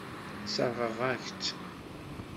Sseṛɣeɣ-ak-tt.